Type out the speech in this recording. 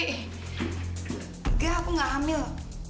enggak aku gak hamil